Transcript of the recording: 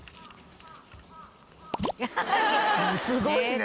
すごいね！